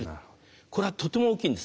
これはとても大きいんです。